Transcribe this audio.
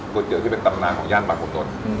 กรูดเจือที่เป็นตำนานของย่านมาคุณตน